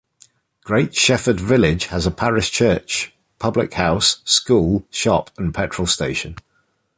Great Shefford village has a parish church, public house, school, shop and petrol station.